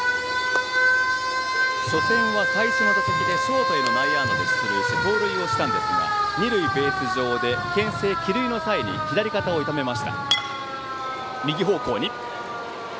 初戦は最初の打席でショートへの内野安打で出塁し盗塁をしたんですが二塁ベース上でけん制、帰塁の際に左肩を痛めました。